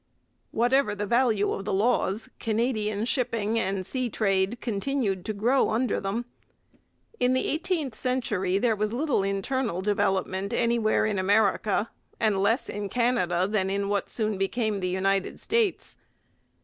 Whatever the value of the laws, Canadian shipping and sea trade continued to grow under them. In the eighteenth century there was little internal development anywhere in America; and less in Canada than in what soon became the United States.